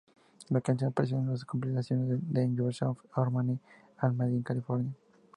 La canción apareció en las compilaciones "Ten Years of Harmony" y "Made in California".